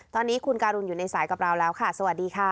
ตอนนี้คุณการุณอยู่ในสายกับเราแล้วค่ะสวัสดีค่ะ